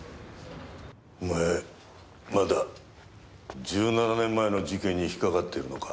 お前まだ１７年前の事件に引っかかってるのか？